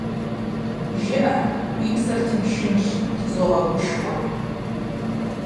- ЖыӀэ, уи псэр тыншынщ,- тызогъэгушхуэ.